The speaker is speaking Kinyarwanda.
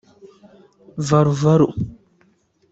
“Valu Valu”